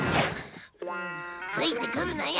ついてくるなよ。